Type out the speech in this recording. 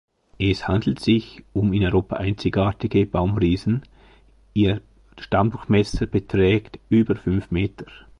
Es handelt sich um in Europa einzigartige Baumriesen, ihr Stammdurchmesser beträgt über fünf Meter.